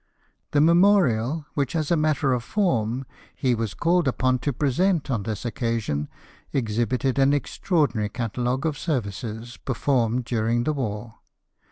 The memorial which as a matter of form he was called upon to present on^ this occasion exhibited an extraordinary, catalogue of services performed during the war.